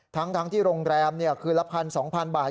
ทั้งที่โรงแรมคืนละ๑๒๐๐๐บาท